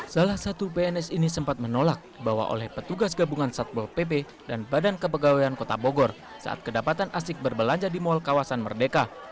salah satu pns ini sempat menolak bahwa oleh petugas gabungan satpol pp dan badan kepegawaian kota bogor saat kedapatan asik berbelanja di mal kawasan merdeka